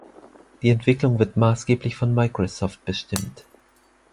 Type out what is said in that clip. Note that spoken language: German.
Die Entwicklung wird maßgeblich von Microsoft bestimmt.